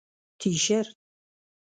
👕 تیشرت